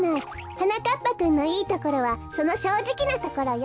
はなかっぱくんのいいところはそのしょうじきなところよ。